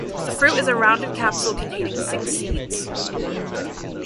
The fruit is a rounded capsule containing six seeds.